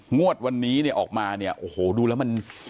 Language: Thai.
งวดวันนี้ออกมาโอ้โหดูแล้วมัน